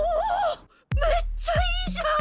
めっちゃいいじゃん！